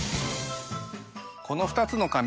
この２つの髪